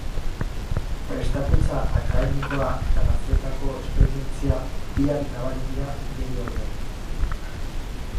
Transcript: Prestakuntza akademikoa eta gaztetako esperientzia, biak nabari dira bere obran.